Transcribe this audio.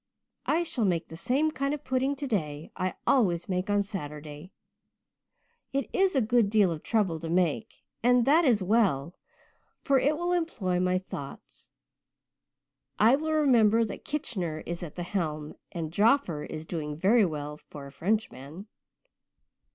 I shall make the same kind of pudding today I always make on Saturday. It is a good deal of trouble to make, and that is well, for it will employ my thoughts. I will remember that Kitchener is at the helm and Joffer is doing very well for a Frenchman.